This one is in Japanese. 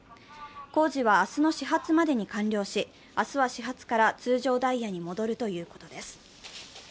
工事は明日の始発までに完了し、明日は始発から通常ダイヤに戻るということです。